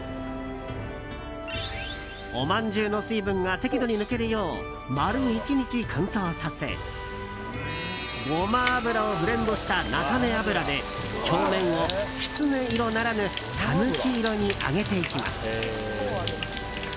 おまんじゅうの水分が適度に抜けるよう丸１日乾燥させゴマ油をブレンドした菜種油で表面をキツネ色ならぬタヌキ色に揚げていきます。